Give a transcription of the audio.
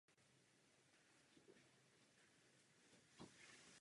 Ve škole měl velkou zálibu v kreslení.